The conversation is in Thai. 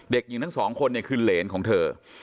เด็กหญิงทั้งสองคนเนี่ยคือเหรนของเธอ